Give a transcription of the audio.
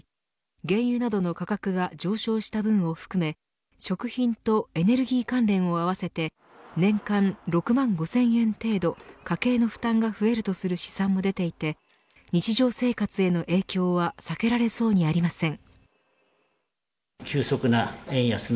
原油などの価格が上昇した分を含め食品とエネルギー関連を合わせて年間６万５０００円程度家計の負担が増えるとする試算も出ていて日常生活への影響は避けられそうにありません。